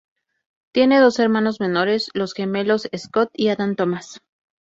Tiene dos hermanos menores, los gemelos Scott y Adam Thomas.